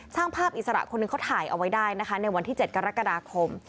ช่างภาพอิสระคนหนึ่งเขาถ่ายเอาไว้ได้นะคะในวันที่๗กรกฎาคม